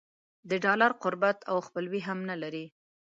د ډالر قربت او خپلوي هم نه لري.